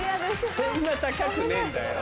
そんな高くねえんだよ。